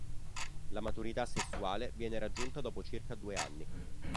La maturità sessuale viene raggiunta dopo circa due anni.